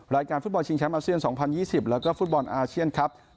รายการฟุตบอลชิงเช้มเอเชียน๒๐๒๐แล้วก็ฟุตบอลอาเชียน๒๐๒๓